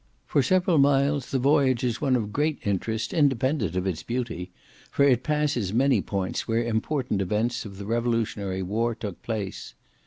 For several miles the voyage is one of great interest independent of its beauty, for it passes many points where important events of the revolutionary war took place.